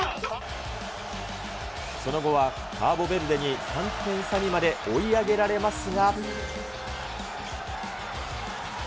その後はカーボベルデに３点差にまで追い上げられますが。